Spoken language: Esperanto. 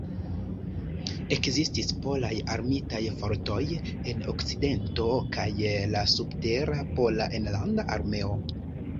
Ekzistis Polaj Armitaj Fortoj en Okcidento kaj la subtera Pola Enlanda Armeo.